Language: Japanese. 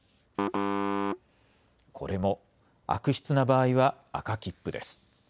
これも悪質な場合は赤切符です。